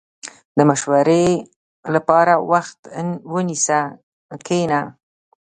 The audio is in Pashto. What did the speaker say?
• د مشورې لپاره وخت ونیسه، کښېنه.